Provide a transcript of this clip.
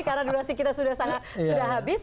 karena durasi kita sudah habis